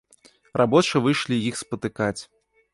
Рабочыя выйшлі іх спатыкаць.